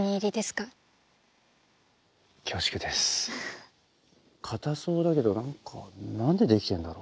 かたそうだけど何か何で出来てるんだろう。